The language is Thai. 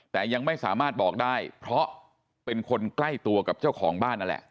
แต่ยังไม่สามารถบอกได้เพราะเป็นคนใกล้ตัวกับเจ้าของบ้านนั่นแหละ